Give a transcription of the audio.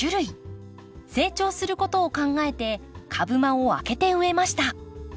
成長することを考えて株間を空けて植えました。